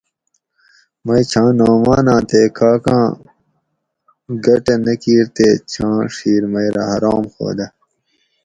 "مئی چھاں نعماناں تے کاکاں گۤٹہ نہ کیر تے چھاں ڄِھیر مئی رہ حرام ہودہ"""